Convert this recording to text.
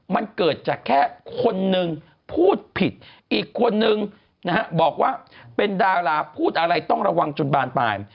มันเกิดจากแค่คนนึงพูดผิดอีกคนนึงนะฮะบอกว่าเป็นดาราพูดอะไรต้องระวังจนบานปลาย